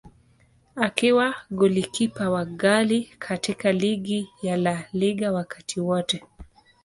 Akiwa golikipa wa ghali katika ligi ya La Liga wakati wote.